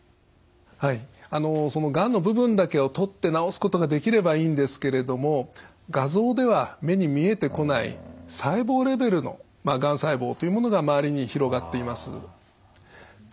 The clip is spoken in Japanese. はいそのがんの部分だけを取って治すことができればいいんですけれども画像では目に見えてこない細胞レベルのがん細胞というものが周りに広がっています。